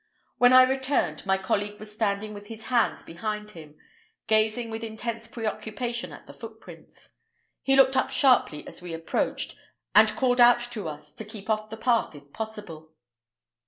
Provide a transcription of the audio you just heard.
When I returned, my colleague was standing with his hands behind him, gazing with intense preoccupation at the footprints. He looked up sharply as we approached, and called out to us to keep off the path if possible.